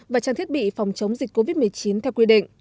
và trang thiết bị phòng chống dịch covid một mươi chín theo quy định